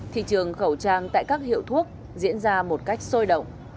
thị trường khẩu trang tại các hiệu thuốc diễn ra một cách sôi động